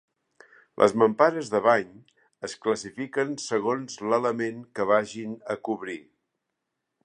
Les mampares de bany es classifiquen segons l'element que vagin a cobrir.